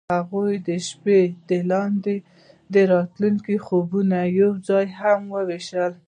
هغوی د شپه لاندې د راتلونکي خوبونه یوځای هم وویشل.